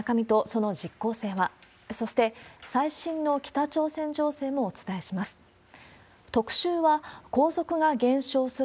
そして、最新の北朝鮮情勢もお伝えします。